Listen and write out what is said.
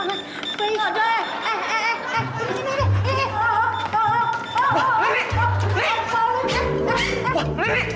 eh eh eh menek nih nek eh